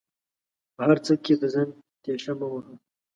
په هر څه کې د ځان تيشه مه وهه